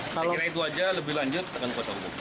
saya kira itu saja lebih lanjut tekan kuasa hukum